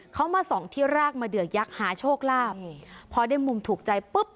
เขามาส่องที่รากมาเดือกยักษ์หาโชคลาภพอได้มุมถูกใจปุ๊บ